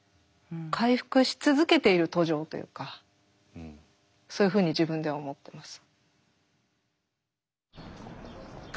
回復し続けている途上というかそういうふうに自分では思ってます。